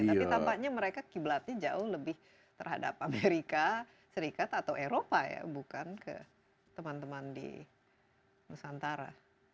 tapi tampaknya mereka kiblatnya jauh lebih terhadap amerika serikat atau eropa ya bukan ke teman teman di nusantara